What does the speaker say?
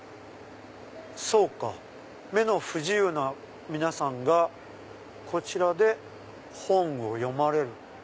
そうか目の不自由な皆さんがこちらで本を読まれる。